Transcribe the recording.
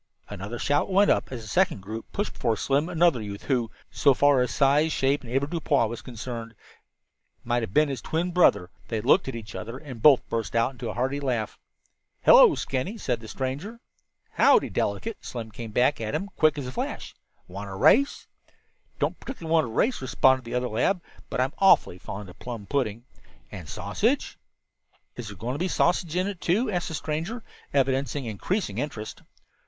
Another shout went up as a second group pushed before Slim another youth who, so far as size, shape and avoirdupois was concerned, might have been his twin brother. They looked at each other and both burst into a hearty laugh. "Hello, Skinny," said the stranger. "Howdy, Delicate?" Slim came back at him, quick as a flash. "Want to race?" "Don't particularly want to race," responded the other lad, "but I'm awfully fond of plum pudding." "And sausage?" "Is there going to be a sausage in it, too?" asked the stranger, evidencing increasing interest.